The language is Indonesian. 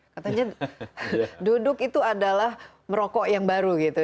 katanya duduk itu adalah merokok yang baru gitu